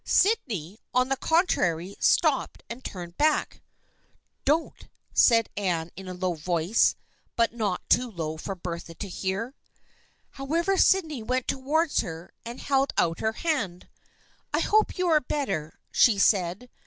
Sydney, on the contrary, stopped and turned back. " Don't !" said Anne in a low voice, but not too low for Bertha to hear. However Sydney went towards her and held out her hand. " I hope you are better," she said.